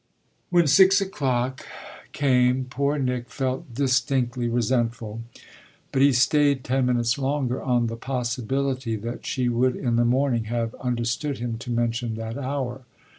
When six o'clock came poor Nick felt distinctly resentful; but he stayed ten minutes longer on the possibility that she would in the morning have understood him to mention that hour.